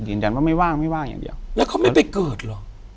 ยืนยันว่าไม่ว่างไม่ว่างอย่างเดียวแล้วเขาไม่ไปเกิดเหรอ